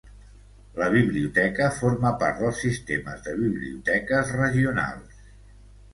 La biblioteca forma part dels sistemes de biblioteques regionals.